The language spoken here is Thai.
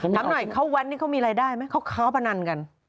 ถามหน่อยเขาแว้นนี่เขามีรายได้ไหมเขาค้าพนันกัน